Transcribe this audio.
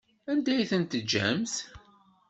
Anda ay t-teǧǧamt?